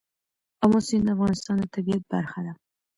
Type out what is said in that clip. آمو سیند د افغانستان د طبیعت برخه ده.